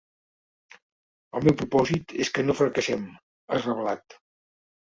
El meu propòsit és que no fracassem, ha reblat.